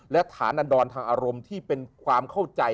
และฐานอันดรทางอารมณ์ที่เป็นความเข้าใจ